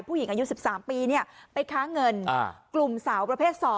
ผู้หญิงอายุ๑๓ปีไปค้าเงินกลุ่มสาวประเภท๒